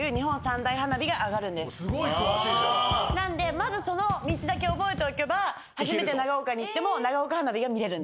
なのでまずその道だけ覚えておけば初めて長岡に行っても長岡花火が見られる。